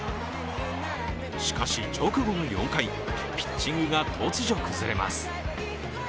しかし、直後の４回、ピッチングが突如崩れます。